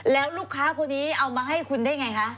แล้วลูกค้าคนนี้เอามาให้คุณได้ไงคะ